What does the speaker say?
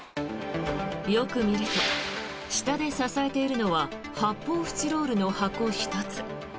よく見ると下で支えているのは発泡スチロールの箱１つ。